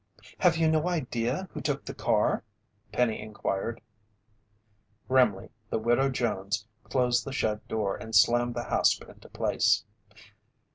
"Have you no idea who took the car?" Penny inquired. Grimly the Widow Jones closed the shed door and slammed the hasp into place.